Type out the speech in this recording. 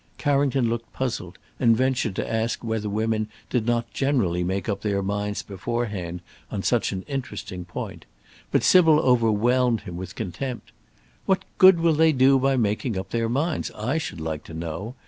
Carrington looked puzzled, and ventured to ask whether women did not generally make up their minds beforehand on such an interesting point; but Sybil overwhelmed him with contempt: "What good will they do by making up their minds, I should like to know?